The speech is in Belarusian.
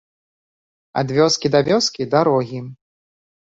Ад вёскі да вёскі дарогі.